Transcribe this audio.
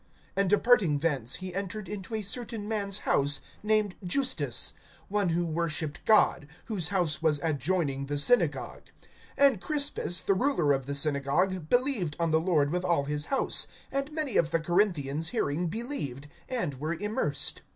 (7)And departing thence he entered into a certain man's house, named Justus, one who worshiped God, whose house was adjoining the synagogue. (8)And Crispus, the ruler of the synagogue, believed on the Lord with all his house; and many of the Corinthians hearing believed, and were immersed.